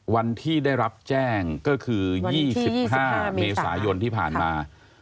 วันที่ได้รับแจ้งก็คือ๒๕เมษายนที่ผ่านมา